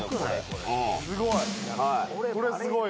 すごい。